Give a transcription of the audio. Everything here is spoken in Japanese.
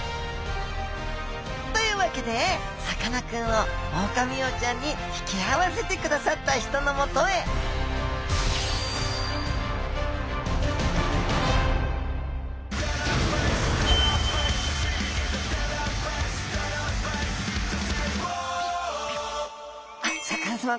というわけでさかなクンをオオカミウオちゃんに引き合わせてくださった人のもとへシャーク香音さま